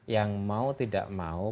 yang mau tidak mau